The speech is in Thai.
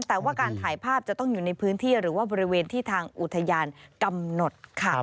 แต่ว่าการถ่ายภาพจะต้องอยู่ในพื้นที่หรือว่าบริเวณที่ทางอุทยานกำหนดค่ะ